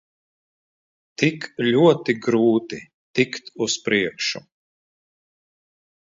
Tik ļoti grūti tikt uz priekšu.